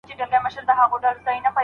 اخلاقي کمزوري ستونزه ده.